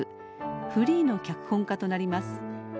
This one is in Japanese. フリーの脚本家となります。